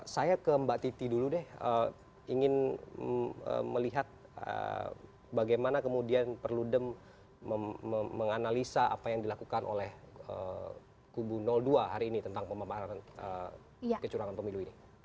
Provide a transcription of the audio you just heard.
saya ke mbak titi dulu deh ingin melihat bagaimana kemudian perludem menganalisa apa yang dilakukan oleh kubu dua hari ini tentang pemaparan kecurangan pemilu ini